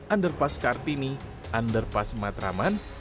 underpass kartini underpass matraman